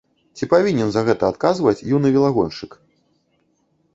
Ці павінен за гэта адказваць юны велагоншчык?